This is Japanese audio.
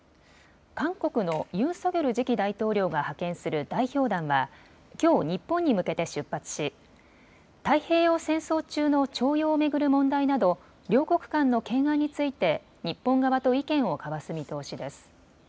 韓国のユン・ソギョル次期大統領が派遣する代表団はきょう日本に向けて出発し太平洋戦争中の徴用を巡る問題など両国間の懸案について日本側と意見を交わす見通しです。